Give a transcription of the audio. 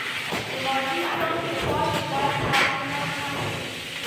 د ماضيشناس په خوا کې بايد حالشناس هم وي.